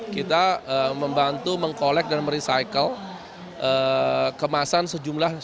kita membantu mengkolek dan merecycle kemasan sejumlah